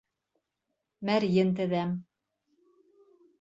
— Мәрйен теҙәм.